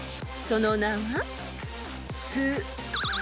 ［その名は］